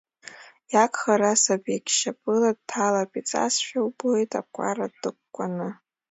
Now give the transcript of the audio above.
Иагхар, асабигь шьапыла дҭалап, ицазшәа убоит акәара ҭыкәкәаны.